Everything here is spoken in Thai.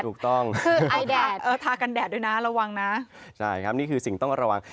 ถูกต้องคือไอแดดเออทากันแดดด้วยนะระวังนะใช่ครับนี่คือสิ่งต้องระวัง